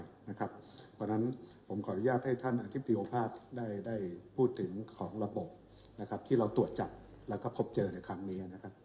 เพราะฉะนั้นผมขออนุญาตให้ท่านอธิบดีโอภาพได้พูดถึงของระบบที่เราตรวจจับแล้วก็พบเจอในครั้งนี้